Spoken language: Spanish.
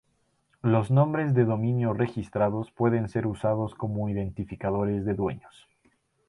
Los nombres de dominio registrados pueden ser usados como identificadores de dueños.